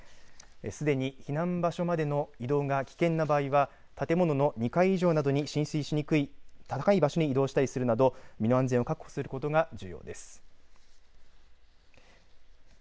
すでに避難場所までの移動が危険な場合は建物の２階以上などに浸水しにくい高い場所に移動したりするなど身の安全を確保することが重要です。